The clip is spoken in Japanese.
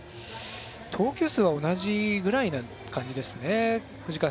投球数は同じぐらいな感じですね。